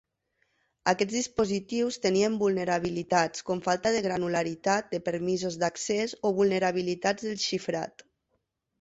Aquests dispositius tenien vulnerabilitats com falta de granularitat de permisos d’accés o vulnerabilitats del xifrat.